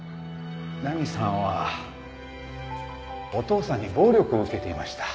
菜美さんはお父さんに暴力を受けていました。